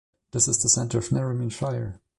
It is the centre of Narromine Shire.